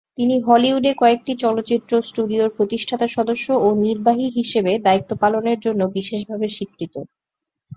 তিনি হলিউডে কয়েকটি চলচ্চিত্র স্টুডিওর প্রতিষ্ঠাতা সদস্য ও নির্বাহী হিসেবে দায়িত্ব পালনের জন্য বিশেষভাবে স্বীকৃত।